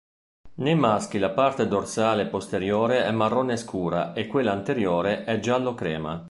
Nei maschi la parte dorsale posteriore è marrone scura e quella anteriore è giallo-crema.